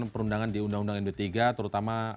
perundangan di undang undang indotiga terutama